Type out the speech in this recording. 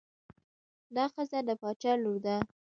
دا ښځه د باچا لور ده.